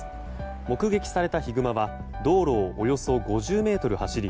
目撃されたヒグマは道路をおよそ５０ｍ走り